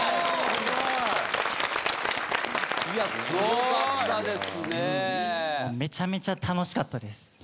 すごい！めちゃめちゃ楽しかったです。